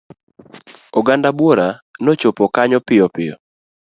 Oganda buora nochopo kanyo piyo piyo.